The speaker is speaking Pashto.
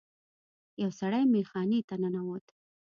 یو سړی میخانې ته ننوت.